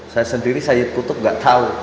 saya sendiri syed qutub gak tau